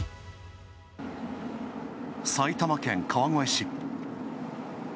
埼玉県・川越市。